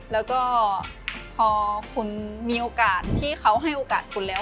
แล้วก็พอคุณมีโอกาสที่เขาให้โอกาสคุณแล้ว